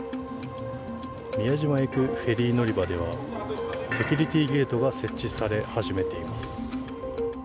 宮島へ行くフェリー乗り場ではセキュリティゲートが設置され始めています。